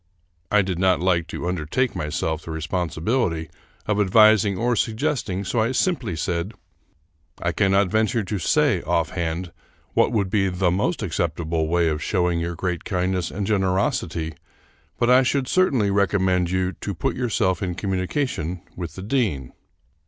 I did not like to undertake myself the responsibility of advising or suggesting, so I simply said: " I cannot venture to say, offhand, what would be the most acceptable way of showing your great kindness and generosity, but I should certainly recommend you to put yourself in communication with the dean."